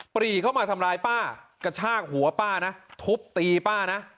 ปรีเข้ามาทำร้ายป้ากระชากหัวป้านะทุบตีป้านะ